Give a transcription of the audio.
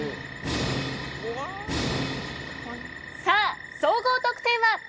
さあ総合得点は。